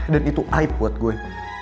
dan itu aib buat gue